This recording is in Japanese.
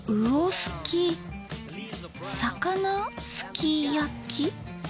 すき焼き？